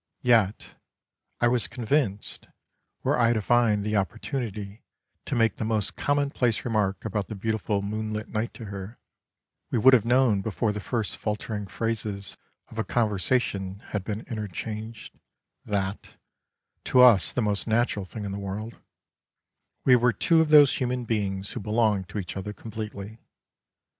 Yet, I was convinced, were I to find the oppor tunity to make the most commonplace remark about the beautiful moonlit night to her, we would have known before the first faltering phrases of a conversation had been inter changed, that — to us the most natural thing in the world — we were two of those human beings who belonged to each other completely.